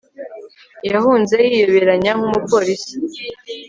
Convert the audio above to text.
yahunze yiyoberanya nk'umupolisi